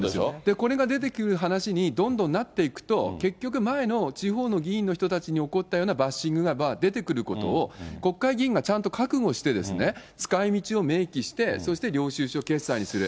これが出てきたときに話にどんどんなっていくと、結局、前の地方の議員の人たちに起こったようなバッシングが出てくることを、国会議員がちゃんと覚悟して、使いみちを明記して、そして領収書決済にする。